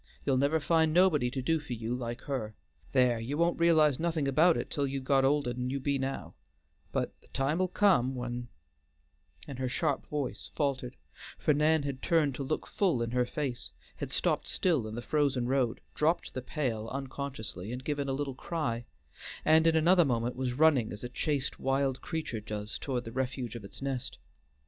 You'll never find nobody to do for you like her. There, you won't realize nothing about it till you've got older'n you be now; but the time'll come when" and her sharp voice faltered; for Nan had turned to look full in her face, had stopped still in the frozen road, dropped the pail unconsciously and given a little cry, and in another moment was running as a chased wild creature does toward the refuge of its nest.